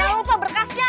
jangan lupa berkasnya